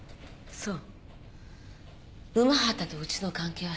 そう。